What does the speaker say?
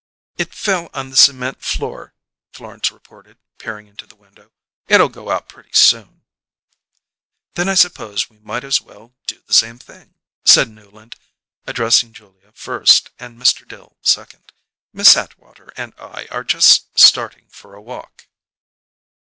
"It fell on the cement floor," Florence reported, peering into the window. "It'll go out pretty soon." "Then I suppose we might as well do the same thing," said Newland, addressing Julia first and Mr. Dill second. "Miss Atwater and I are just starting for a walk."